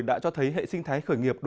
đã cho thấy hệ sinh thái khởi nghiệp